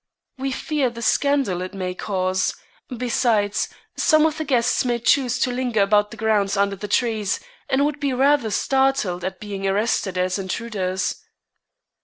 We fear the scandal it may cause; besides, some of the guests may choose to linger about the grounds under the trees, and would be rather startled at being arrested as intruders."